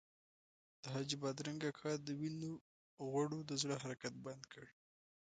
د حاجي بادرنګ اکا د وینو غوړو د زړه حرکت بند کړ.